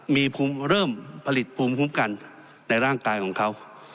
มีเริ่มผลิตภูมิภูมิกันในร่างกายของเค้า